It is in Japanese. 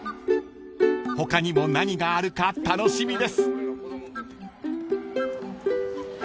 ［他にも何があるか楽しみです］